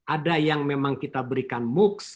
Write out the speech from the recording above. ada yang memang kita berikan moocs